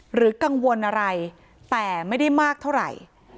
หรือกังวลอะไรแต่ไม่ได้มากเท่าไหร่